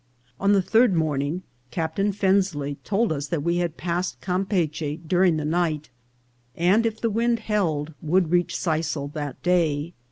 On the third morning Captain Fensley told us we had passed Campeachy during the night, and, if the wind held, would reach Sisal that day.